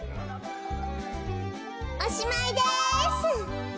おしまいです！